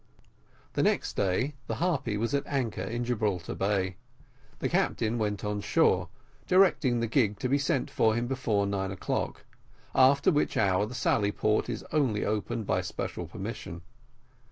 The next day, the Harpy was at anchor in Gibraltar Bay; the captain went on shore, directing the gig to be sent for him before nine o'clock; after which hour the sally port is only opened by special permission.